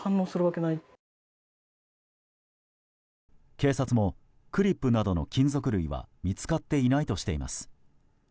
警察もクリップなどの金属類は見つかっていないとしています。